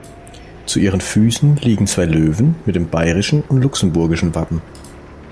Zu ihren Füßen liegen zwei Löwen mit dem bayerischen und luxemburgischen Wappen.